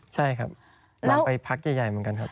ใช่ครับลองไปพักใหญ่เหมือนกันครับ